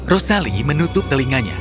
rosali menutup telinganya